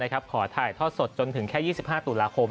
ขอถ่ายทอดสดจนถึงแค่๒๕ตุลาคม